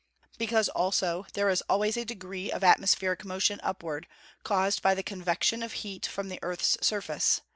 Because, also, there is always a degree of atmospheric motion upward, caused by the convection of heat from the earth's surface.